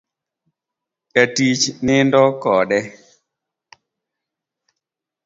Jatich nindo kode